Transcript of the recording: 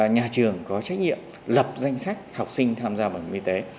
nhà trường có trách nhiệm lập danh sách học sinh tham gia bảo hiểm y tế